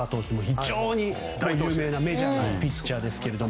非常に有名なメジャーのピッチャーですけど。